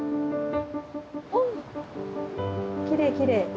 おきれいきれい。